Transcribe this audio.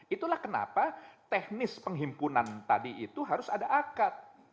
itulah kenapa teknis penghimpunan tadi itu harus ada akad